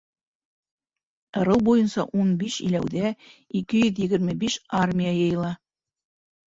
Ырыу буйынса ун биш иләүҙә ике йөҙ егерме биш армия йыйыла.